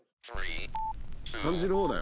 「感じる方だよ」